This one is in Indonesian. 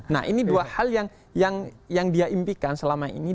nah ini dua hal yang dia impikan selama ini